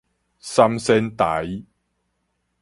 三仙台